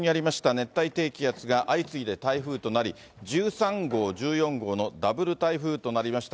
熱帯低気圧が相次いで台風となり、１３号、１４号のダブル台風となりました。